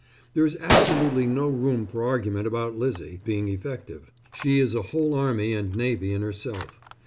There is absolutely no room for argument about Lizzie being effective. She is a whole army and navy in herself.